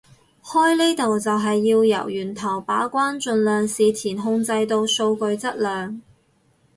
開呢度就係要由源頭把關盡量事前控制到數據質量